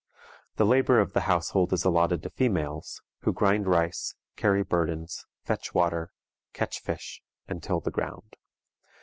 The labor of the household is allotted to females, who grind rice, carry burdens, fetch water, catch fish, and till the ground.